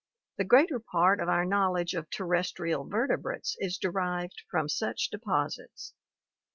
The greater part of our knowledge of terrestrial vertebrates is derived from such deposits.